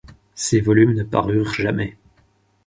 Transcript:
Ces volumes ne parurent jamais.